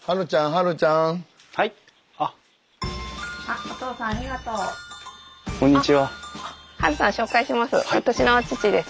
ハルさん紹介します。